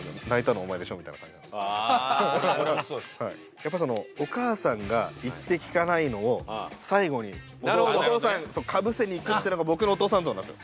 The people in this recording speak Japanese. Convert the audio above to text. やっぱお母さんが言って聞かないのを最後にお父さんかぶせにいくっていうのが僕のお父さん像なんですよ。